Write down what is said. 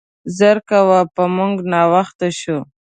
زر کوه, په مونګ ناوخته شو.